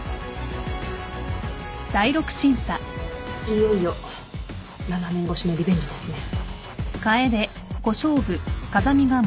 いよいよ７年越しのリベンジですね。